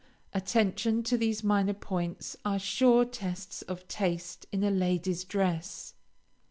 Attention to these minor points are sure tests of taste in a lady's dress.